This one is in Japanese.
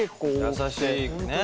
優しいね。